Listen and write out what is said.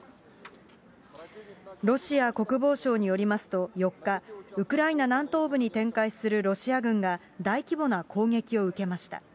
ロシア国防省によりますと、４日、ウクライナ南東部に展開するロシア軍が、大規模な攻撃を受けました。